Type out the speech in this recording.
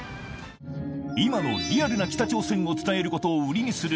今のリアルな北朝鮮を伝えることを売りにする